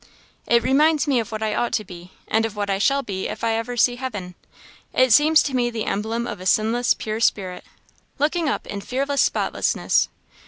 "It reminds me of what I ought to be and of what I shall be if I ever see heaven it seems to me the emblem of a sinless, pure spirit looking up in fearless spotlessness.